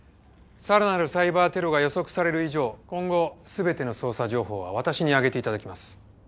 さらなるサイバーテロが予測される以上今後全ての捜査情報は私に上げて頂きます。